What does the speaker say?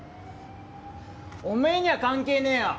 おめえには関係ねえよ